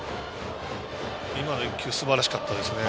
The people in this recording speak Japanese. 今の１球すばらしかったですね。